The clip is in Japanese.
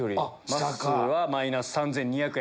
まっすーはマイナス３２００円。